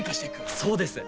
そうです！